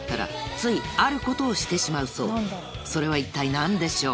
それは一体何でしょう？